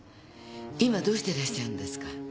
今どうしてらっしゃるんですか？